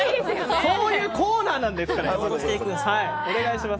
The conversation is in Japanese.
そういうコーナーなんだから。